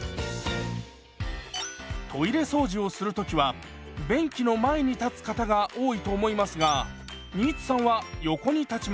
トイレ掃除をする時は便器の前に立つ方が多いと思いますが新津さんは横に立ちます。